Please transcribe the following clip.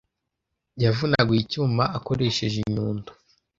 Yavunaguye icyuma akoresheje inyundo.